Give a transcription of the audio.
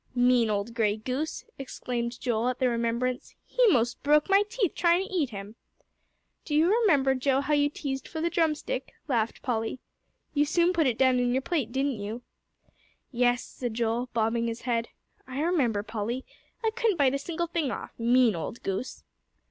"Mean old gray goose!" exclaimed Joel, at the remembrance; "he most broke my teeth, trying to eat him." "Do you remember, Joe, how you teased for the drumstick?" laughed Polly. "You soon put it down on your plate, didn't you?" "Yes," said Joel, bobbing his head, "I remember, Polly. I couldn't bite a single thing off. Mean old goose!"